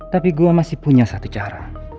tapi gua masih punya satu cara